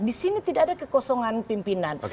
di sini tidak ada kekosongan pimpinan